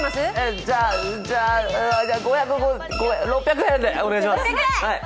じゃあ６００円でお願いします